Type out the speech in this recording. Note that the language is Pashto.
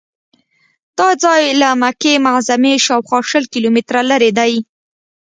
دا ځای له مکې معظمې شاوخوا شل کیلومتره لرې دی.